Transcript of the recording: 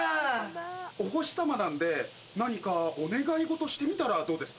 お星様なんで何かお願い事してみたらどうですか？